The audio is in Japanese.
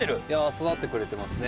育ってくれてますね